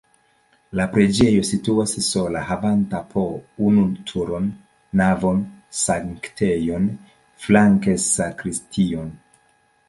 La preĝejo situas sola havanta po unu turon, navon, sanktejon, flanke sakristion.